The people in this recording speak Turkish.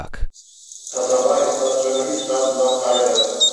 Kasaba, istasyona üç saat uzaktaydı.